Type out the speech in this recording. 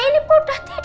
itulah doang yang pas